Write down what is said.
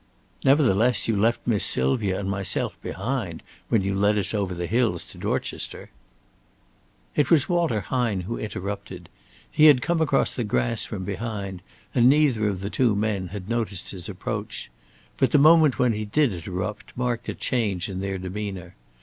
"Nevertheless, you left Miss Sylvia and myself behind when you led us over the hills to Dorchester." It was Walter Hine who interrupted. He had come across the grass from behind, and neither of the two men had noticed his approach. But the moment when he did interrupt marked a change in their demeanor.